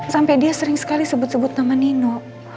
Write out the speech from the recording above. sampai dia sering sekali sebut sebut nama nino